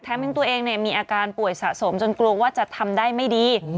ทั้งตัวเองมีอาการป่วยสะสมจนกลัวว่าจะทำได้ไม่ดี